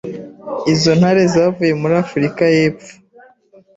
Izo ntare zavuye muri Afurika y’Epfo